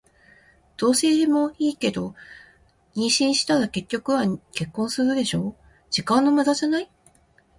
同棲もいいけど、妊娠したら結局は結婚するでしょ。時間の無駄じゃない？